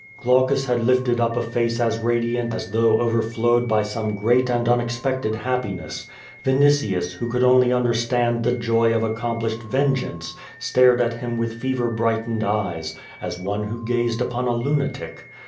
Glaucus had lifted up a face as radiant as though over flowed by some great and unexpected happiness. Vinitius, who could only understand the joy of accomplished ven geance, stared at him with fever brightened eyes, as one who gazed upon a lunatic.